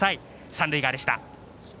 三塁側でした。